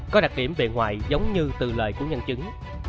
có đặc điểm về ngoại giống như từ lời của nhân chứng